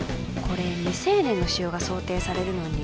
これ未成年の使用が想定されるのに